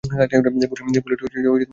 Bullet বেরিয়ে আসছে।